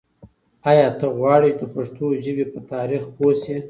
آیا ته غواړې چې د پښتو ژبې په تاریخ پوه شې؟